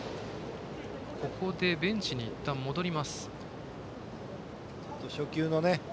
ここで、ベンチにいったん戻ります。